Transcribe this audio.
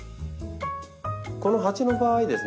この鉢の場合ですね